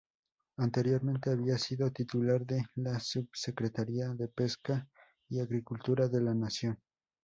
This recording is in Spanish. Anteriormente había sido titular de la Subsecretaría de Pesca y Agricultura de la Nación.